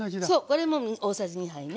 これも大さじ２杯ね。